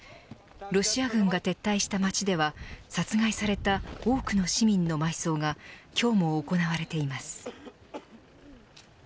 ロシア軍が撤退した街では殺害された多くの市民の埋葬が今日も行われています。